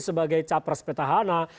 sebagai capres petahana